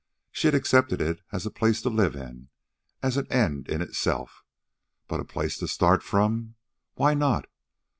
She had accepted it as a place to live in, as an end in itself. But a place to start from! Why not!